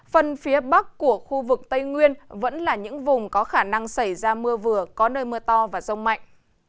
phần phía bắc của khu vực tây nguyên vẫn là những vùng có khả năng xảy ra mưa vừa có nơi mưa to và rông mạnh